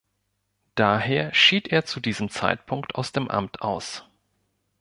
Daher schied er zu diesem Zeitpunkt aus dem Amt aus.